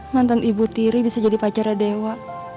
mantan ibu tiri bisa jadi pacara dewa